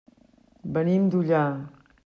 Venim d'Ullà.